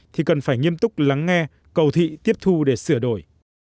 thì cần phải nghiêm túc lắng nghe cầu thị tiếp thu để sửa đổi